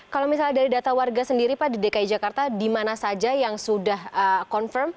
kalau misalnya dari data warga sendiri pak di dki jakarta di mana saja yang sudah confirm